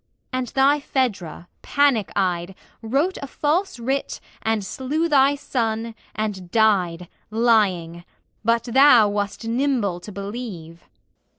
And thy Phaedra, panic eyed, Wrote a false writ, and slew thy son, and died, Lying; but thou wast nimble to believe!